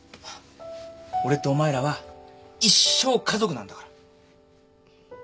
俺とお前らは一生家族なんだから。